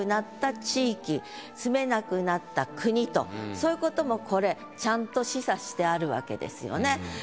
住めなくなった国とそういうこともこれちゃんと示唆してあるわけですよね。